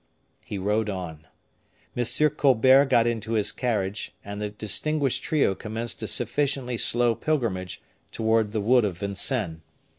He rode on. M. Colbert got into his carriage and the distinguished trio commenced a sufficiently slow pilgrimage toward the wood of Vincennes.